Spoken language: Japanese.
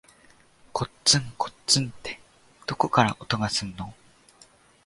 こつんこつんって、どっかから音がすんの。